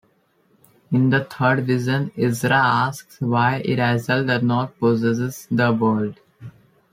In the third vision Ezra asks why Israel does not possess the world.